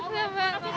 oh enggak ya